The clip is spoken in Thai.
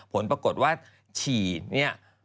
ผลปรากฏว่าฉีดเนี่ย